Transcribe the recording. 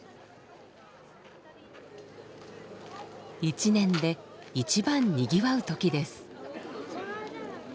一年で一番にぎわう時です。